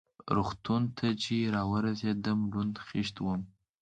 روغتون ته چې را ورسېدم لوند خېشت وم.